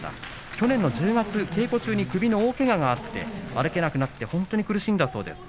去年の１０月稽古中に首の大けががあって歩けなくなって本当に苦しんだそうです。